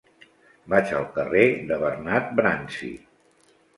Vaig al carrer de Bernat Bransi.